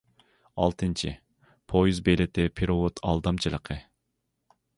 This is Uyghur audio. ئالتىنچى، پويىز بېلىتى پېرېۋوت ئالدامچىلىقى.